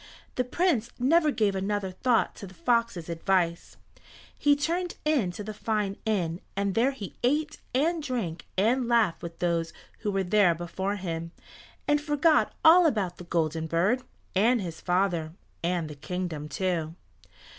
The Prince never gave another thought to the fox's advice. He turned in to the fine inn, and there he ate and drank and laughed with those who were there before him, and forgot all about the Golden Bird, and his father and the kingdom, too.